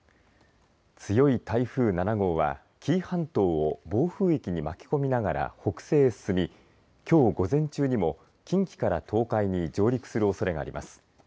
強い台風７号は紀伊半島を暴風域に巻き込みながら北西へ進み、きょう午前中にも近畿から東海に上陸するおそれがあります。